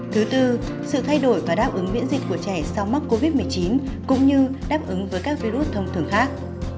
thứ tư sự thay đổi và đáp ứng miễn dịch của trẻ sau mắc covid một mươi chín cũng như đáp ứng với các virus thông thường khác